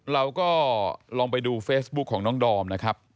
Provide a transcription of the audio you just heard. เราก็ลองไปดูเฟซบุ๊คของน้องดอมนะครับ